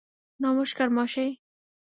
নমস্কার, মশাই।